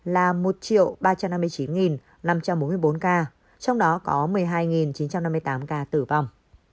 là một ba trăm năm mươi chín năm trăm bốn mươi bốn ca trong đó có một mươi hai chín trăm năm mươi tám ca tử vong